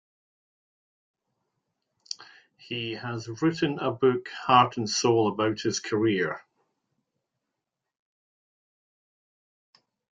He has written a book, "Heart and Soul", about his career.